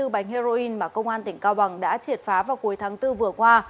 hai mươi bánh heroin mà công an tỉnh cao bằng đã triệt phá vào cuối tháng bốn vừa qua